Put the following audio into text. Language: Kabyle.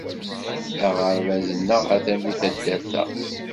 Aɣerbaz-nneɣ atan deg taddart-a.